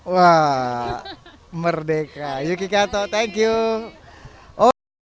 wah merdeka yuki kato thank you oh